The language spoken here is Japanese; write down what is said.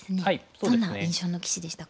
どんな印象の棋士でしたか？